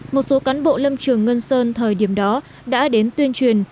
một số cán bộ lâm trường ngân sơn thời điểm đó đã đến tuyên truyền